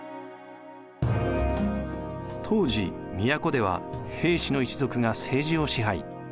当時都では平氏の一族が政治を支配。